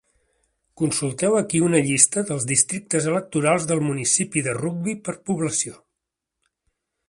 Consulteu aquí una llista dels districtes electorals del municipi de Rugby per població.